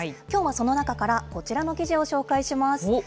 きょうはその中からこちらの記事を紹介します。